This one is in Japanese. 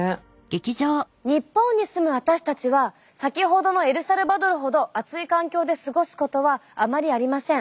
日本に住む私たちは先ほどのエルサルバドルほど暑い環境で過ごすことはあまりありません。